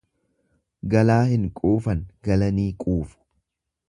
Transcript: Galaa hin quufan, galanii quufu.